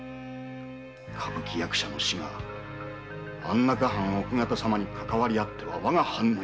歌舞伎役者の死が安中藩・奥方様にかかわりあってはわが藩の一大事。